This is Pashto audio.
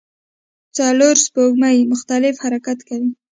څلور سپوږمۍ مختلف حرکت کوي.